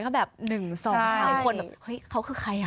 ก็แบบ๑๒๓คนเห้ยเขาคือใคร